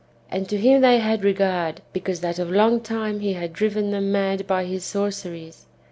And to him they had regard, because that of long time he had driven them mad by his sorceries."